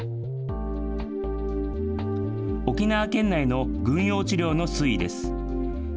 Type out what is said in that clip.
沖縄県内の軍用地料の推移です。